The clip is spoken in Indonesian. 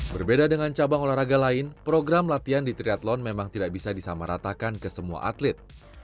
berbeda dengan cabang olahraga lain program latihan di triathlon memang tidak bisa disamaratakan ke semua atlet